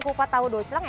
kupat tahu do celang